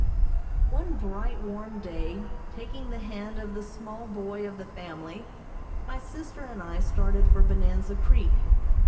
] One bright, warm day, taking the hand of the small boy of the family, my sister and I started for Bonanza Creek.